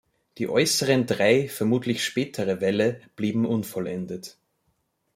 Die äußeren drei, vermutlich spätere Wälle, blieben unvollendet.